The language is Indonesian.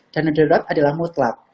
dana darurat adalah mutlak